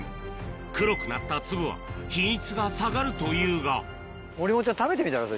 黒くなった粒は品質が下がるとい森もっちゃん、食べてみたら？